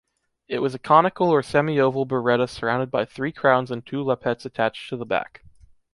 It was a conical or semi-oval biretta surrounded by three crowns and two lappets attached to the back.